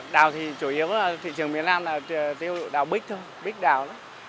đào thì chủ yếu ở thị trường miền nam là đào bích thôi bích đào